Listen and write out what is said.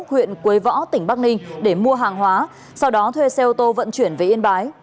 huyện quế võ tỉnh bắc ninh để mua hàng hóa sau đó thuê xe ô tô vận chuyển về yên bái